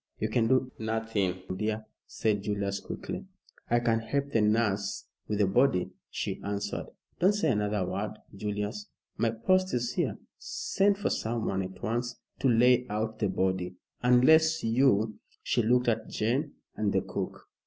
"You can do nothing, dear," said Julius, quickly. "I can help the nurse with the body," she answered. "Don't say another word, Julius. My post is here. Send for someone at once to lay out the body, unless you " She looked at Jane and the cook.